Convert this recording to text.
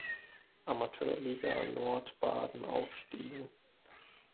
Amateurliga Nordbaden aufstiegen.